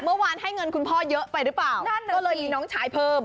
เมื่อวานนั่งไงให้เงินของคุณพ่อก็เพิ่ม